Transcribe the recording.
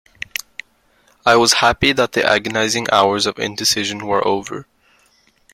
I was happy that the agonising hours of indecision were over.